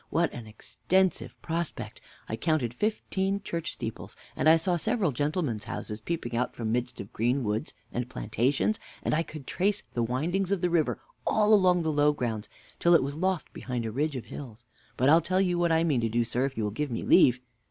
What an extensive prospect! I counted fifteen church steeples; and I saw several gentlemen's houses peeping out from the midst of green woods and plantations; and I could trace the windings of the river all along the low grounds, till it was lost behind a ridge of hills. But I'll tell you what I mean to do, sir, if you will give me leave.